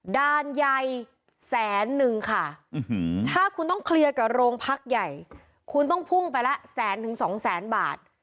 ด่านใยแสนนึงค่ะถ้าคุณต้องเคลียร์กับโรงพักใหญ่คุณต้องพุ่งไปละ๑๐๐๒๐๐บาท